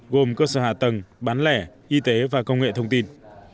gồm cơ sở hạ tầng bán lẻ y tế và công nghệ thông tin